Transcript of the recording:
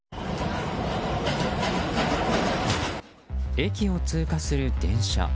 駅を通過する電車。